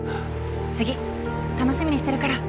次楽しみにしてるから。